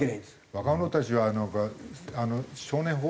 若者たちはなんか少年法？